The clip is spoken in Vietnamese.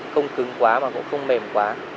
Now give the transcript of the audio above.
không cứng quá mà cũng không mềm quá